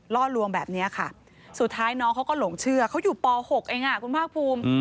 ล่อลวงแบบนี้ค่ะสุดท้ายน้องเขาก็หลงเชื่อเขาอยู่ป๖เองคุณภาคภูมิ